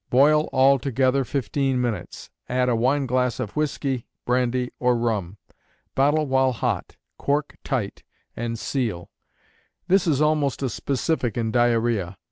Boil all together fifteen minutes; add a wineglass of whiskey, brandy or rum. Bottle while hot, cork tight, and seal. This is almost a specific in diarrhea.